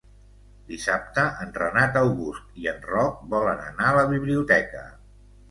Dissabte en Renat August i en Roc volen anar a la biblioteca.